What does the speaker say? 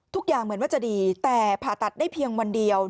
เหมือนว่าจะดีแต่ผ่าตัดได้เพียงวันเดียว